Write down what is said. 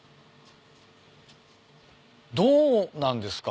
どうなんですか？